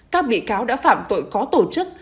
các bị cáo đã phạm tội có tổ chức